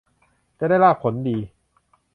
จะได้ลาภผลดี